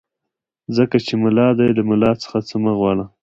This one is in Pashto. ځکه چې ملا دی له ملا څخه څه مه غواړه.